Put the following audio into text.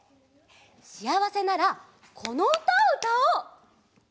しあわせならこのうたをうたおう。